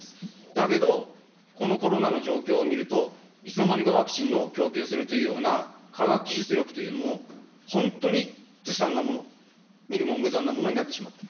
だけど、このコロナの状況を見ると、いつの間にかワクチンの供給するというような科学技術力というものも本当にずさんなもの、見るも無残なものになってしまった。